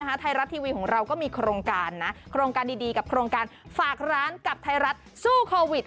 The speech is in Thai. ไทยรัฐทีวีของเราก็มีโครงการนะโครงการดีกับโครงการฝากร้านกับไทยรัฐสู้โควิด